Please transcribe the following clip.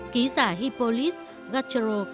ký giả hippolyte gattaro